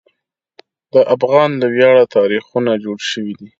د افغان له ویاړه تاریخونه جوړ شوي دي.